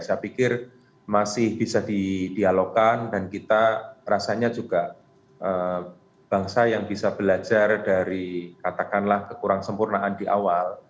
saya pikir masih bisa didialogkan dan kita rasanya juga bangsa yang bisa belajar dari katakanlah kekurang sempurnaan di awal